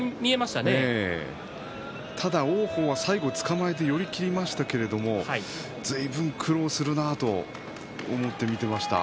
ただ、王鵬は最後つかまえて寄り切りましたがずいぶん苦労をするなと思って見ていました。